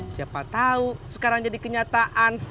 siapa tahu sekarang jadi kenyataan